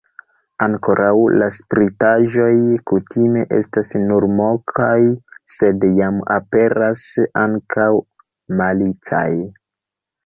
Ankoraŭ la spritaĵoj kutime estas nur mokaj, sed jam aperas ankaŭ malicaj.